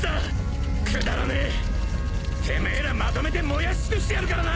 てめえらまとめて燃やし尽くしてやるからな！